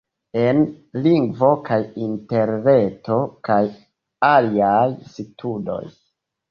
En: Lingvo kaj Interreto kaj aliaj studoj.